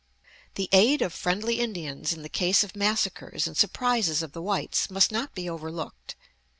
The aid of friendly Indians in the case of massacres and surprises of the whites must not be overlooked.